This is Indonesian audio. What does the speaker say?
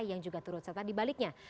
yang juga turut serta dibaliknya